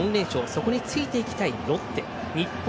そこについていきたいロッテ。